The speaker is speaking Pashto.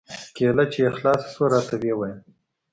کېله چې يې خلاصه سوه راته ويې ويل.